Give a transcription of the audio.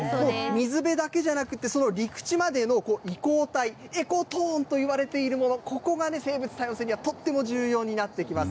水辺だけじゃなくて、陸地までの、エコトーンといわれているもの、ここがね、とっても重要になってきます。